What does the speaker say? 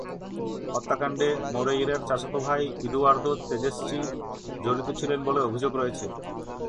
হত্যাকাণ্ডে মোরেইরার চাচাতো ভাই ইদুয়ারদো তেদেসচি জড়িত ছিলেন বলে অভিযোগ রয়েছে।